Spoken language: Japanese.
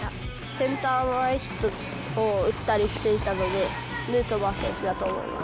センター前ヒットを打ったりしていたので、ヌートバー選手だと思います。